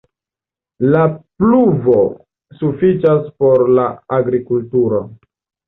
La pluvo sufiĉas por la agrikulturo.